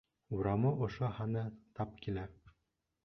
Урамы ошо, һаны тап килә.